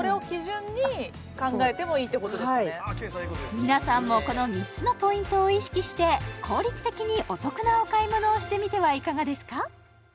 皆さんもこの３つのポイントを意識して効率的にお得なお買い物をしてみてはいかがですか？